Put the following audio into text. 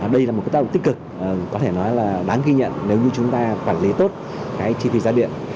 đây là một cái tác động tích cực có thể nói là đáng ghi nhận nếu như chúng ta quản lý tốt cái chi phí giá điện